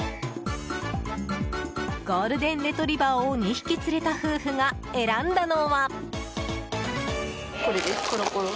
ゴールデンレトリバーを２匹連れた夫婦が選んだのは。